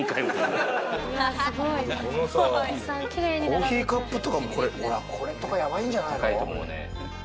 コーヒーカップとかも、これとか、やばいんじゃないの？